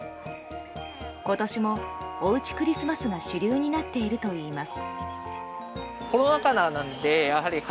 今年もおうちクリスマスが主流になっているといいます。